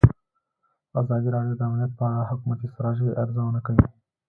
ازادي راډیو د امنیت په اړه د حکومتي ستراتیژۍ ارزونه کړې.